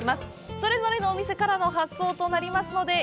それぞれのお店からの発送となります。